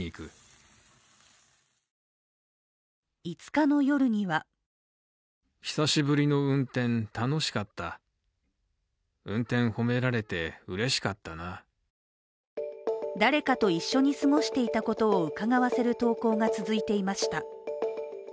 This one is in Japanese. ５日の夜には誰かと一緒に過ごしていたことをうかがわせる投稿が続いていました。